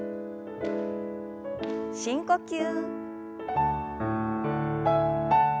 深呼吸。